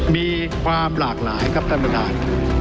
มีความหลากหลายครับท่านประธาน